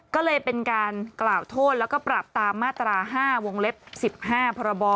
ก็เลยเป็นการกล่าวโทษแล้วก็ปรับตามมาตรา๕วงเล็บ๑๕พรบ